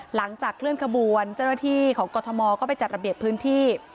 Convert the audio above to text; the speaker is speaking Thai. หลังจากเคลื่อนขบวนเจ้าหน้าที่ของกรทมก็ไปจัดระเบียบพื้นที่